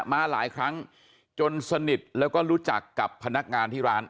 มาหลายครั้งจนสนิทแล้วก็รู้จักกับพนักงานที่ร้าน